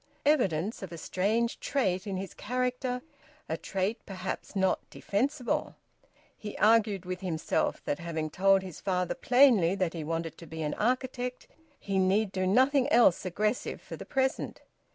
Evidence of a strange trait in his character; a trait perhaps not defensible! He argued with himself that having told his father plainly that he wanted to be an architect, he need do nothing else aggressive for the present.